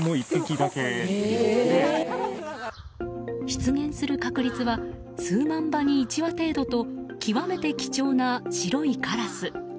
出現する確率は数万羽に一羽程度と極めて貴重な白いカラス。